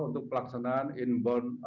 untuk pelaksanaan inbound